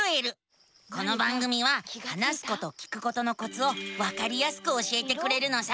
この番組は話すこと聞くことのコツをわかりやすく教えてくれるのさ。